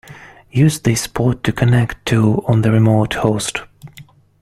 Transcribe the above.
Use this port to connect to on the remote host.